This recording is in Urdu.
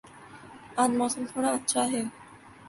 آج موسم تھوڑا اچھا ہے